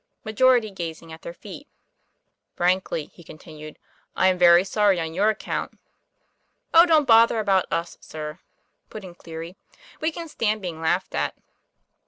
Majority gazing at their feet. 'Frankly," he continued, 'I am very sorry on your account. "Oh, don't bother about us, sir," put in Cleary; "we can stand being laughed at."